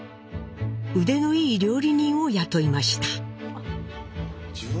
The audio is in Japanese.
腕のいい料理人を雇いました。